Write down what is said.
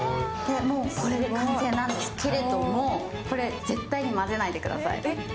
これで完成なんですけれども、絶対に混ぜないでください。